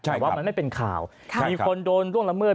แต่ว่ามันไม่เป็นข่าวมีคนโดนล่วงละเมิด